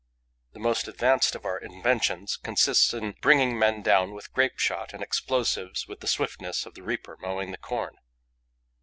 The most advanced of our inventions consists in bringing men down with grapeshot and explosives with the swiftness of the reaper mowing the corn.